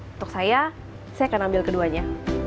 untuk saya saya akan ambil keduanya